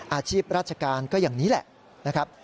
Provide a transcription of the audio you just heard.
อาชีพราชการก็อย่างนี้แหละนะครับ